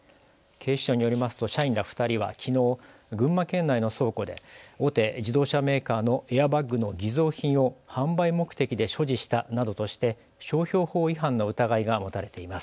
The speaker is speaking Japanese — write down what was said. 警視庁によりますと社員ら２人はきのう群馬県内の倉庫で大手自動車メーカーのエアバッグの偽造品を販売目的で所持したなどとして商標法違反の疑いが持たれています。